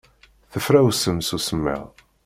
Tefrawsem seg usemmiḍ.